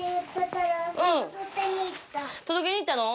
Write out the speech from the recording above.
届けに行ったの？